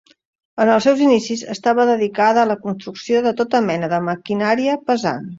En els seus inicis estava dedicada a la construcció de tota mena de maquinària pesant.